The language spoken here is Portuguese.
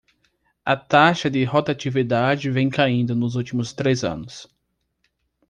A taxa de rotatividade vem caindo nos últimos três anos.